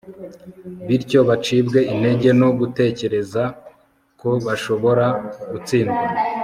bityo bacibwe intege no gutekereza ko bashobora gutsindwa